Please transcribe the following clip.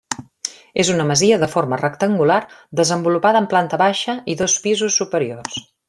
És una masia de forma rectangular desenvolupada en planta baixa i dos pisos superiors.